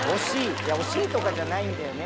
いや、惜しいとかじゃないんだよね。